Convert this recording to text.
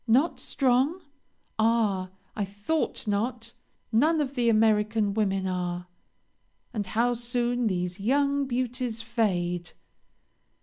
Not strong? Ah! I thought not, none of the American women are, and how soon these young beauties fade!"